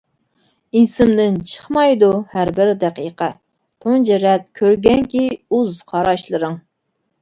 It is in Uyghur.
ئىسىمدىن چىقمايدۇ ھەربىر دەقىقە، تۇنجى رەت كۆرگەنكى ئۇز قاراشلىرىڭ.